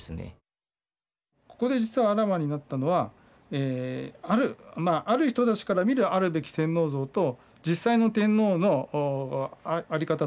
ここで実はあらわになったのはある人たちから見るあるべき天皇像と実際の天皇のあり方とのギャップなんですね。